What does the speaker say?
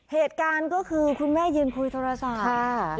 เหตุการณ์ก็คือคุณแม่ยืนคุยโทรศัพท์ค่ะ